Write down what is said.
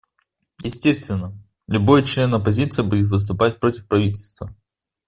Естественно, любой член оппозиции будет выступать против правительства.